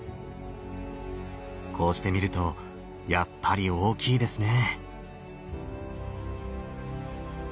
こうして見るとやっぱり大きいですね。